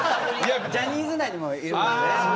ジャニーズ内でもいるもんね。